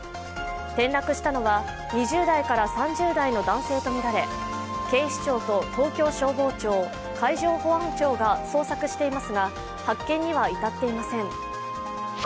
転落したのは２０代から３０代くらいの男性とみられ警視庁と東京消防庁、海上保安庁が捜索していますが、発見には至っていません。